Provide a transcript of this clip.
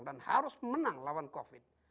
dan harus menang lawan covid